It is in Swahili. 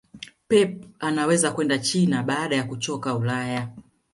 pep anaweza kwenda china baada ya kuchoka ulaya